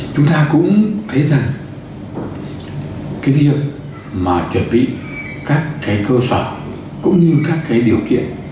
chúng ta cũng thấy rằng cái việc mà chuẩn bị các cơ sở cũng như các điều kiện